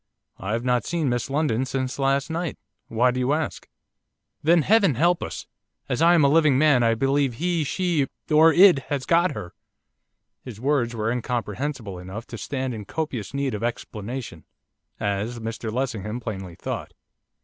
'I have not seen Miss Lindon since last night. Why do you ask?' 'Then Heaven help us! As I'm a living man I believe he, she, or it has got her!' His words were incomprehensible enough to stand in copious need of explanation, as Mr Lessingham plainly thought.